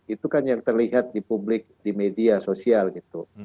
itu kan yang terlihat di publik di media sosial gitu